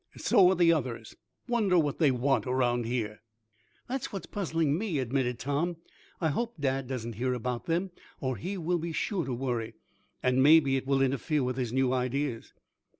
So are the others. Wonder what they want around here?" "That's what's puzzling me," admitted Tom. "I hope dad doesn't hear about them or he will be sure to worry; and maybe it will interfere with his new ideas."